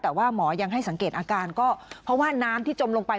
แต่ว่าหมอยังให้สังเกตอาการก็เพราะว่าน้ำที่จมลงไป